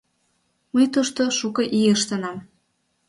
Мый тушто шуко ий ыштенам.